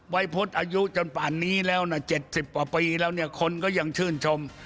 วัยพจน์อายุจนป่านนี้แล้วนะ๗๐ปีแล้วคนก็ยังชื่นชม